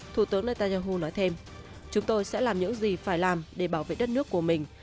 thủ tướng netanyahu nói thêm chúng tôi sẽ làm những gì phải làm để bảo vệ đất nước của mình